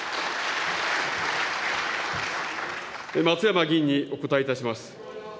松山議員にお答えいたします。